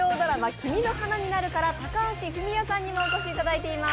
「君の花になる」から高橋文哉さんにもお越しいただいています。